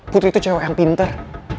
putri itu cewek yang pinter